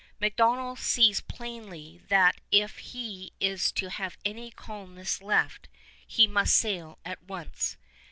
MacDonell sees plainly that if he is to have any colonists left, he must sail at once.